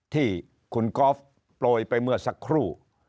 ที่คุณก๊อฟโปรยไปเมื่อสักครู่